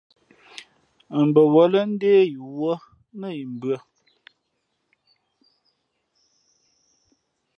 Mbαwᾱlᾱ ndé yī wᾱ nά yi mbʉ̄ᾱ.